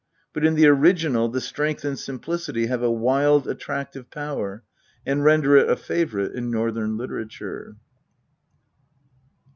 But in the original the strength and simplicity have a wild attractive power, and render it a favourite in Northern literature.